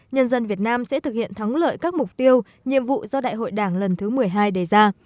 nhân dân việt nam sẽ thực hiện thắng lợi các mục tiêu nhiệm vụ do đại hội đảng lần thứ một mươi hai đề ra